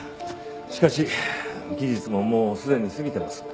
しかし期日ももうすでに過ぎてます。